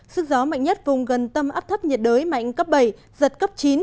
sức gió mạnh nhất vùng gần tâm áp thấp nhiệt đới mạnh cấp bảy giật cấp chín